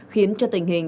khiến cho tình hình